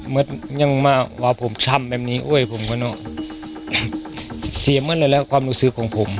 เหมือนยังมาว่าผมช่ำแบบนี้อ้วยผมก็เนอะเสียมั่นเลยแล้วความรู้สึกของผม